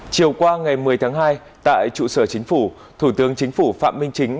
chiều qua ngày một mươi tháng hai tại trụ sở chính phủ thủ tướng chính phủ phạm minh chính